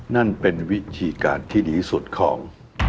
นั่นเป็นวิธีการที่ดีสุดของ